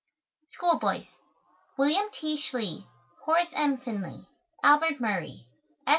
School Boys WILLIAM T. SCHLEY HORACE M. FINLEY ALBERT MURRAY S.